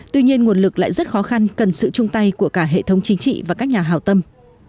tuy nhiên nguồn lực lại rất khó khăn cần sự chung tay của cả hệ thống chính trị và các nhà hào tâm